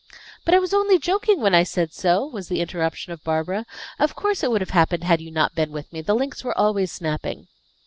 "But I was only joking when I said so," was the interruption of Barbara. "Of course it would have happened had you not been with me; the links were always snapping."